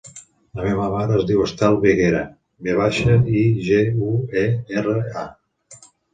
La meva mare es diu Estel Viguera: ve baixa, i, ge, u, e, erra, a.